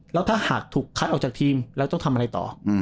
แล้วถ้าหากถูกคัดออกจากทีมแล้วต้องทำอะไรต่อ